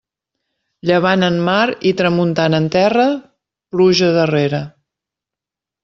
Llevant en mar i tramuntana en terra, pluja darrera.